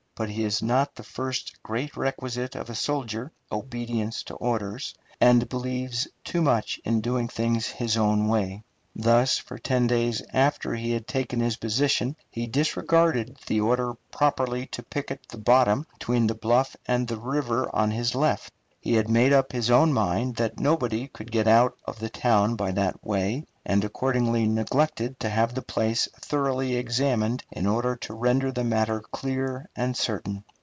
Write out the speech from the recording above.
But he has not the first great requisite of a soldier, obedience to orders, and believes too much in doing things his own way. Thus, for ten days after he had taken his position he disregarded the order properly to picket the bottom between the bluff and the river on his left. He had made up his own mind that nobody could get out of the town by that way, and accordingly neglected to have the place thoroughly examined in order to render the matter clear and certain.